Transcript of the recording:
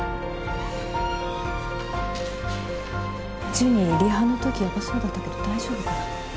ジュニリハの時ヤバそうだったけど大丈夫かな。